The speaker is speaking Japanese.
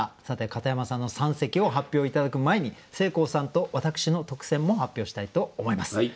さて片山さんの三席を発表頂く前にせいこうさんと私の特選も発表したいと思います。